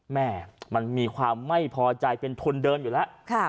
แม่มันมีความไม่พอใจเป็นทุนเดิมอยู่แล้ว